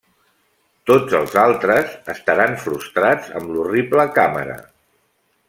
Tots els altres estaran frustrats amb l'horrible càmera.